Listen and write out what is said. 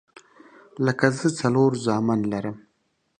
لکه زه څلور زامن لرم